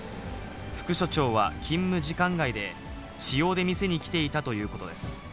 副署長は勤務時間外で、私用で店に来ていたということです。